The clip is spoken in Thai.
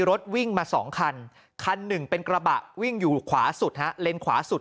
รถวิ่งมาสองคันคันหนึ่งเป็นกระบะวิ่งอยู่ขวาสุดฮะเลนขวาสุด